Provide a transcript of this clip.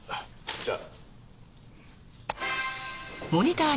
じゃあ。